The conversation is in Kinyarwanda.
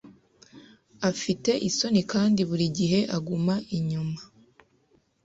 Afite isoni kandi buri gihe aguma inyuma.